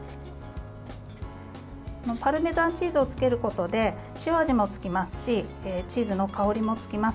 パルメザンチーズをつけることで塩味もつきますしチーズの香りもつきます。